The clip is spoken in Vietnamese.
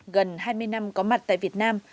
gần hai mươi năm có mặt tại việt nam